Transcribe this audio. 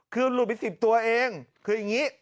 คือหลุดไป๑๐ตัวเองคืออย่างนี้